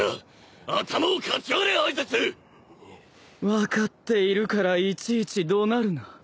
分かっているからいちいち怒鳴るな。